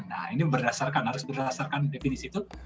nah ini berdasarkan harus berdasarkan definisi itu